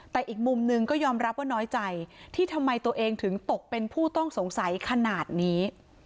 แต่อีกมุมหนึ่งก็ยอมรับว่าน้อยใจที่ทำไมตัวเองถึงตกเป็นผู้ต้องสงสัยขนาดนี้